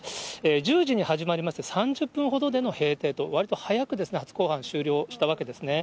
１０時に始まりまして、３０分ほどでの閉廷と、わりと早く初公判、終了したわけですね。